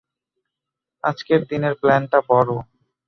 আজকের দিনের প্লানটা বড়।